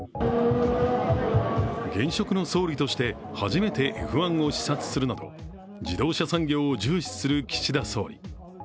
現職の総理として初めてＦ１を視察するなど自動車産業を重視する岸田総理。